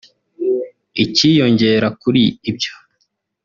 Ikiyongera kuri ibyo